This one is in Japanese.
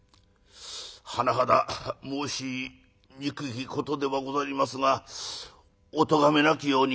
「甚だ申しにくいことではござりますがおとがめなきように」。